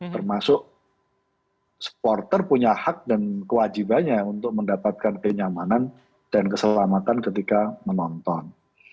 termasuk supporter punya hak dan kewajibannya untuk mendapatkan kenyamanan dan keselamatan ketika menonton